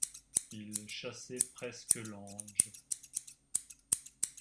Il chassait presque l’ange.